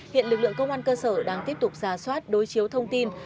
hiện lực lượng công an cơ sở đang tiếp tục giả soát đối chiếu thông tin